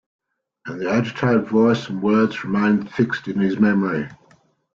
And the agitated voice and words remained fixed in his memory.